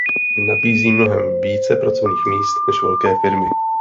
Nabízí mnohem více pracovních míst než velké firmy.